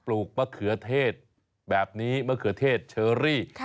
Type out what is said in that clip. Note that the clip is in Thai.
ลูกมะเขือเทศแบบนี้มะเขือเทศเชอรี่